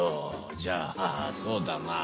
じゃあそうだな。